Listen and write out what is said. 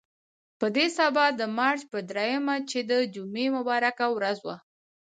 په دې سبا د مارچ په درېیمه چې د جمعې مبارکه ورځ وه.